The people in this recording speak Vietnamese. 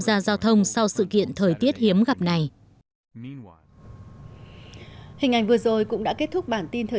gia giao thông sau sự kiện thời tiết hiếm gặp này hình ảnh vừa rồi cũng đã kết thúc bản tin thời